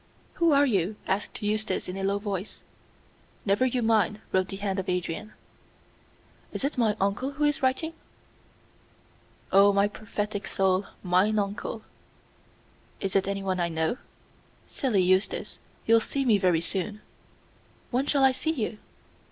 "Who are you?" asked Eustace, in a low voice. "Never you mind," wrote the hand of Adrian. "Is it my uncle who is writing?" "Oh, my prophetic soul, mine uncle." "Is it anyone I know?" "Silly Eustace, you'll see me very soon." "When shall I see you?"